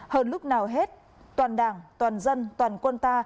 hơn lúc nào hết toàn đảng toàn dân toàn quân ta